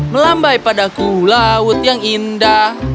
melambai padaku laut yang indah